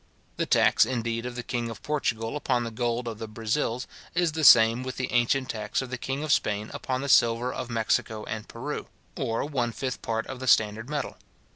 The tax, indeed, of the king of Portugal upon the gold of the Brazils, is the same with the ancient tax of the king of Spain upon the silver of Mexico and Peru; or one fifth part of the standard metal.